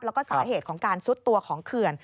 แล้วก็สาเหตุของการซุดตัวของเขื่อน